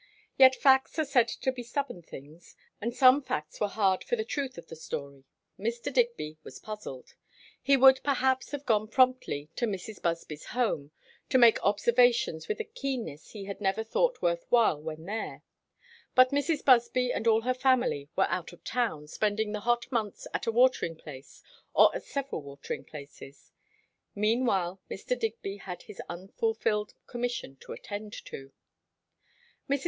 Yet facts are said to be stubborn things, and some facts were hard for the truth of the story. Mr. Digby was puzzled. He would perhaps have gone promptly to Mrs. Busby's home, to make observations with a keenness he had never thought worth while when there; but Mrs. Busby and all her family were out of town, spending the hot months at a watering place, or at several watering places. Meanwhile Mr. Digby had his unfulfilled commission to attend to. Mrs.